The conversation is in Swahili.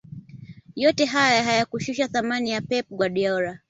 yote haya hayakushusha thamani ya pep guardiola